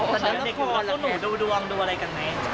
เด็กหนูแล้วก็หนูดูดวงดูอะไรกันไหม